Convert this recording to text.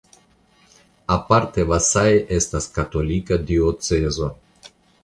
Aparte Vasai estas katolika diocezo.